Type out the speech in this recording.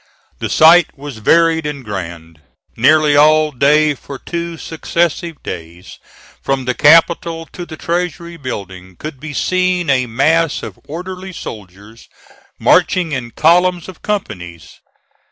The sight was varied and grand: nearly all day for two successive days, from the Capitol to the Treasury Building, could be seen a mass of orderly soldiers marching in columns of companies.